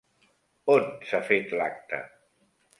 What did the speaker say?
On s'ha fet l'acte?